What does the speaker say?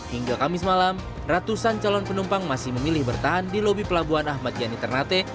hingga kamis malam ratusan calon penumpang masih memilih bertahan di lobi pelabuhan ahmad yani ternate